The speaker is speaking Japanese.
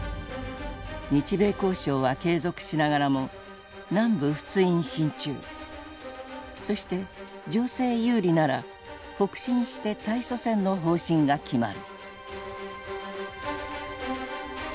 日米交渉は継続しながらも「南部仏印進駐」そして情勢有利なら「北進して対ソ戦」の方針が決まる。